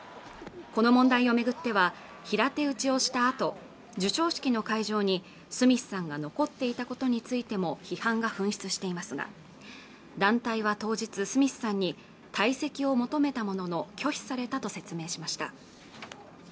この問題をめぐっては平手打ちをしたあと授賞式の会場にスミスさんが残っていたことについても批判が噴出していますが団体は当日スミスさんに退席を求めたものの拒否されたと説明しました